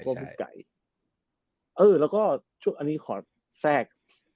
โลโก้ลูกไก่เออแล้วก็ช่วงอันนี้ขอแทรก